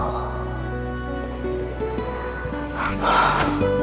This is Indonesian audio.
ah ya allah